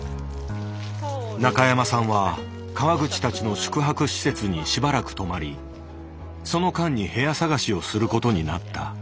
中山さんは川口たちの宿泊施設にしばらく泊まりその間に部屋探しをすることになった。